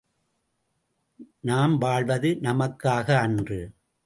நாம் வாழ்வது நமக்காக அன்று.